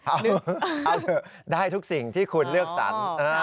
เอาเถอะได้ทุกสิ่งที่คุณเลือกสรร